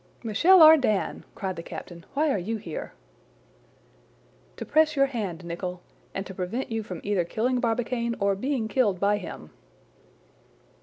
"Michel Ardan!" cried the captain. "Why are you here?" "To press your hand, Nicholl, and to prevent you from either killing Barbicane or being killed by him."